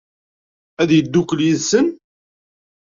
Ad yeddukel yid-sen?